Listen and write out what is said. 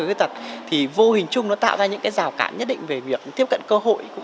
người khuyết tật thì vô hình chung nó tạo ra những cái rào cản nhất định về việc tiếp cận cơ hội cũng